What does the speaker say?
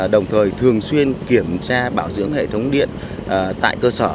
đồng thời thường xuyên kiểm tra bảo dưỡng hệ thống điện tại cơ sở